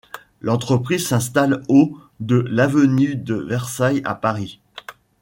L'entreprise s'installe au de l'avenue de Versailles à Paris.